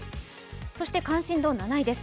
そして関心度７位です。